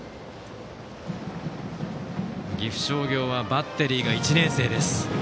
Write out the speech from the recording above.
岐阜商業はバッテリーが１年生。